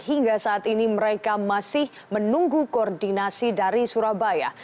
hingga saat ini mereka masih menunggu koordinasi dari surabaya